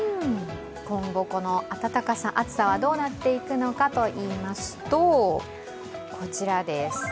今後、この暑さはどうなっていくのかといいますと、こちらです。